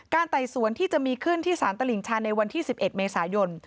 ไต่สวนที่จะมีขึ้นที่สารตลิ่งชันในวันที่๑๑เมษายน